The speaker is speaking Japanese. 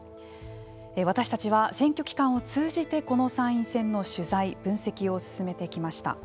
私たちは選挙期間を通じてこの参院選の取材・分析を進めてきました。